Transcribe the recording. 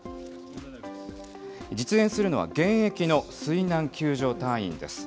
実演するのは、現役の水難救助隊員です。